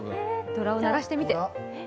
ドラを鳴らしてみて。